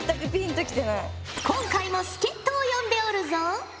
今回も助っ人を呼んでおるぞ。